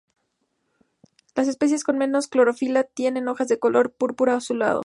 Las especies con menos clorofila tienen hojas de color púrpura azulado.